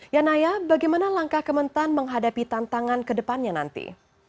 yanaya bagaimana langkah kementan menghadapi tantangan ke depannya nanti